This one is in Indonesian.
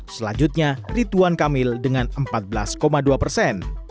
selanjutnya rituan kamil dengan empat belas dua persen